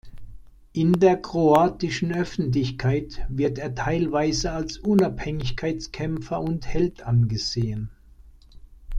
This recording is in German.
In der kroatischen Öffentlichkeit wird er teilweise als Unabhängigkeitskämpfer und Held angesehen.